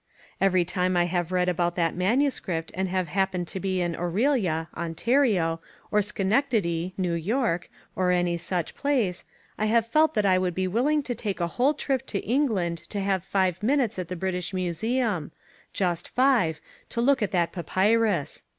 Every time I have read about that manuscript and have happened to be in Orillia (Ontario) or Schenectady (N.Y.) or any such place, I have felt that I would be willing to take a whole trip to England to have five minutes at the British Museum, just five, to look at that papyrus.